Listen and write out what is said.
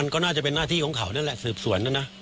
ก็น่าจะเป็นหน้าที่ของเขานั่นแหละสืบสวนนะนะ